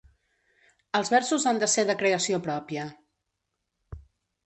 Els versos han de ser de creació pròpia.